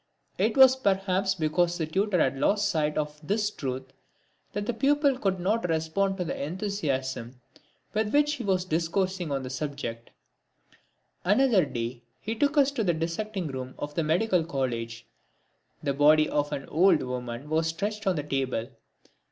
It was perhaps because the tutor had lost sight of this truth that the pupil could not respond to the enthusiasm with which he was discoursing on the subject. Another day he took us to the dissecting room of the Medical College. The body of an old woman was stretched on the table.